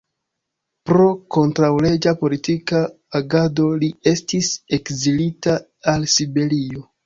Pro kontraŭleĝa politika agado li estis ekzilita al Siberio.